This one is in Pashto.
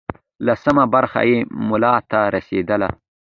لسمه برخه یې ملا ته رسېدله.